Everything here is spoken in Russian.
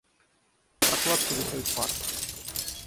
Прокладка витой пары